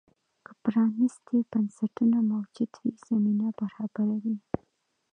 که پرانیستي بنسټونه موجود وي، زمینه برابروي.